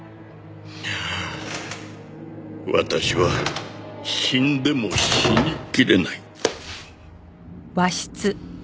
「ああ私は死んでも死にきれない」